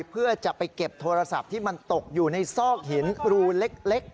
เพื่อจะไปเก็บโทรศัพท์ที่มันตกอยู่ในซอกหินรูเล็ก